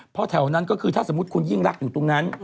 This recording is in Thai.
เพราะแถวนั้นก็คือถ้าสมมุติคุณยิ่งรักอยู่ตรงนั้น